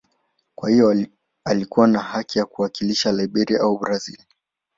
Kwa hiyo alikuwa na haki ya kuwakilisha Liberia au Brazil.